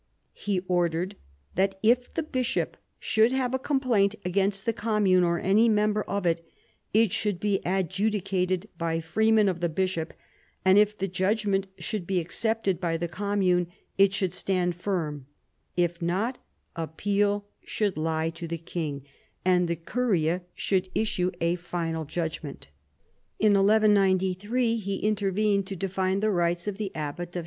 He ordered that if the bishop should have a complaint against the commune or any member of it, it should be adjudicated by freemen of the bishop, and if the judgment should be accepted by the commune it should stand firm; if not, appeal should lie to the king, and the curia should issue a final L 146 PHILIP AUGUSTUS chap. judgment. In 1193 he intervened to define the rights of the abbat of S.